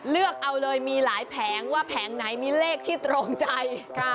เลือกเอาเลยมีหลายแผงว่าแผงไหนมีเลขที่ตรงใจ